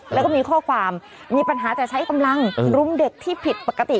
แล้วก็มีข้อความมีปัญหาแต่ใช้กำลังรุมเด็กที่ผิดปกติ